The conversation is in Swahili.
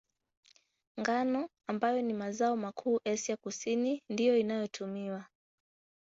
Ngano, ambayo ni mazao makuu Asia ya Kusini, ndiyo inayotumiwa.